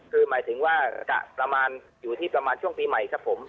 คือหมายถึงว่าจะประมาณอยู่ที่ประมาณช่วงปีใหม่ครับผม